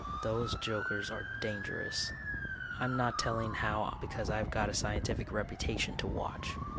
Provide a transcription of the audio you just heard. Those jokers are dangerous. I'm not telling how because I've got a scientific reputation to watch.